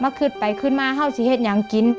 เมื่อขึ้นไปขึ้นมาเขาจะอย่างกิน